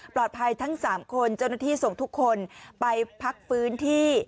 ปลอดภัยทั้งสามคนเจ้าหน้าที่ส่งทุกคนไปพักฟื้นที่